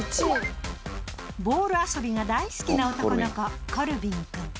ボール遊びが大好きな男の子コルビン君。